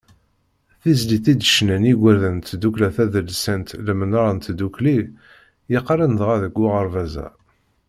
Tizlit i d-ccnan yigerdan n tdukkla tadelsant Imnar n Tdukli, yeqqaren dɣa deg uɣerbaz-a.